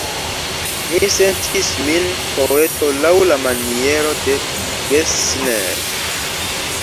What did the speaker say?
Mi sentis min poeto laŭ la maniero de Gessner.